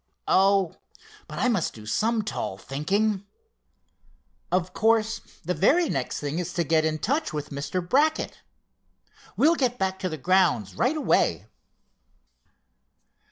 Oh, but I must do some tall thinking! Of course the very next thing is to get in touch with Mr. Brackett. We'll get back to the grounds right away."